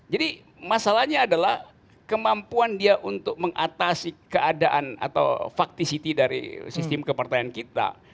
jadi masalahnya adalah kemampuan dia untuk mengatasi keadaan atau faktisiti dari sistem kepartaian kita